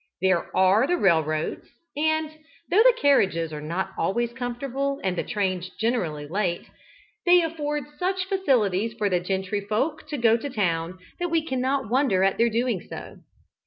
There are the railroads, and (though the carriages are not always comfortable, and the trains generally late) they afford such facilities for the gentryfolk to go to town, that we cannot wonder at their doing so.